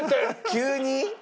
急に！